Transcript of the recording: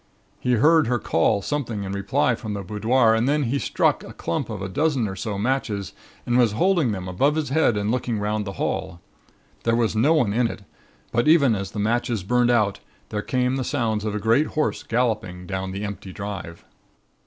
He heard her call something in reply from the boudoir and then he had struck a clump of a dozen or so matches and was holding them above his head and looking 'round the hall. There was no one in it, but even as the matches burned out there came the sounds of a great horse galloping down the empty drive.